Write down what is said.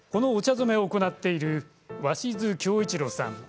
染めを行っている鷲巣恭一郎さん。